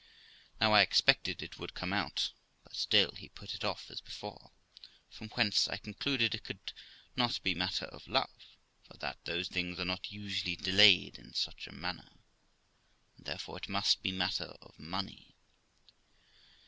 Now I expected it would come out, but still he put it off, as before, from whence I concluded it could not be matter of love, for that those things are not usually delayed in such a manner, and therefore it must be matter of money.